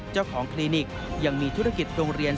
เจ้าของคลินิกยังมีธุรกิจโรงเรียน